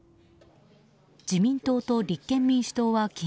自民党と立憲民主党は昨日